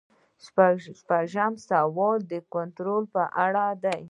شپږ پنځوسم سوال د کنټرول په اړه دی.